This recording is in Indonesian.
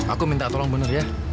aku minta tolong benar ya